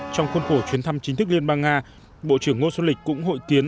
trong khuôn khổ chuyến thăm chính thức liên bang nga bộ trưởng ngô xuân lịch cũng hội kiến